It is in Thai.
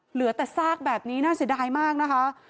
เหลือแต่ซากแบบนี้น่าเสียดายมากนะคะ